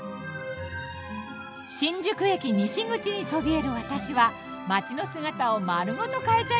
新宿駅西口にそびえる私は街の姿を丸ごと変えちゃいました。